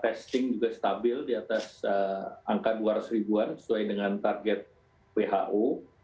testing juga stabil di atas angka dua ratus ribuan sesuai dengan target who